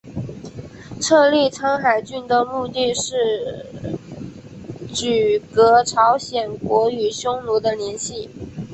设立苍海郡的目的是阻隔朝鲜国与匈奴的联系。